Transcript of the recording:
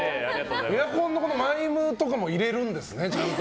エアコンのマイムとかも入れるんですね、ちゃんと。